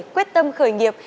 quyết tâm khởi nghiệp